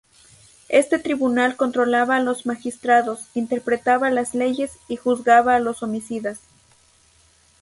Este tribunal controlaba a los magistrados, interpretaba las leyes y juzgaba a los homicidas.